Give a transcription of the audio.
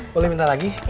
boleh minta lagi